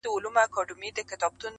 • کښتۍ هم ورڅخه ولاړه پر خپل لوري -